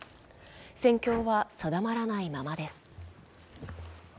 戦況は定まらないままです。